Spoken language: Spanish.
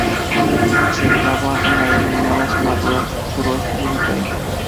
Se enclava en la denominada Zona Rural Suroeste de Vitoria.